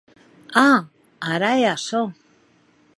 A!, ara hè açò?